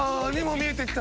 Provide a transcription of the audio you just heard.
見えて来た！